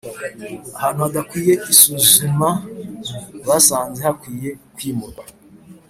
ahantu hadakwiye isuzuma basanze hakwiye kwimurwa